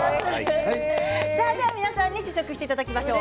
皆さんに試食していただきましょう。